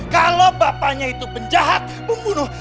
kalau bapaknya itu penjahat pembunuh